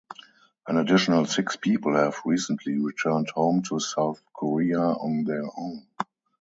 An additional six people have recently returned home to South Korea on their own.